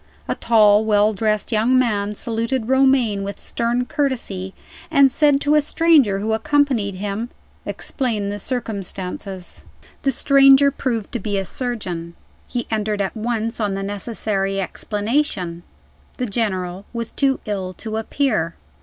A tall, well dressed young man saluted Romayne with stern courtesy, and said to a stranger who accompanied him: "Explain the circumstances." The stranger proved to be a surgeon. He entered at once on the necessary explanation. The General was too ill to appear.